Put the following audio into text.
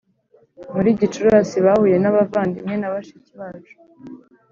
Muri gicurasi bahuye n abavandimwe na bashiki bacu